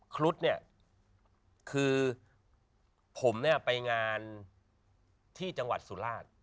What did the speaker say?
ครุฑเนี่ยคือผมเนี่ยไปงานที่จังหวัดสุราช